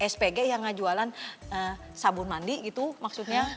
spg yang jualan sabun mandi gitu maksudnya